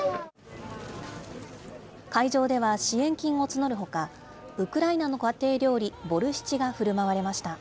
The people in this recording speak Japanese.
会場では支援金を募るほか、ウクライナの家庭料理、ボルシチがふるまわれました。